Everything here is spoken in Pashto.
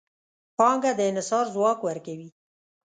پانګه د انحصار ځواک ورکوي.